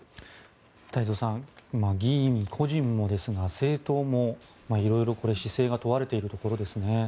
太蔵さん議員個人もですが政党も色々、姿勢が問われているところですね。